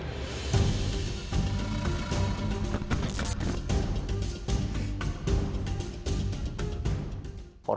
saya mencari lepas kelapa muda